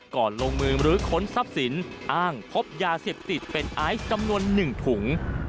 ลงมือมรื้อค้นทรัพย์สินอ้างพบยาเสพติดเป็นไอซ์จำนวน๑ถุง